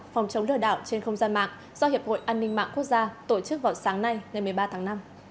phòng chống lừa đảo trên không gian mạng do hiệp hội an ninh mạng quốc gia tổ chức vào sáng nay ngày một mươi ba tháng năm